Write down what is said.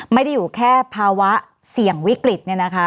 ไม่ได้อยู่แค่ภาวะเสี่ยงวิกฤต